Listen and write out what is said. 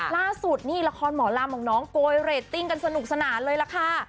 ล่าสุดนี่ละครหมอลำของน้องโกยเรตติ้งกันสนุกสนานเลยล่ะค่ะ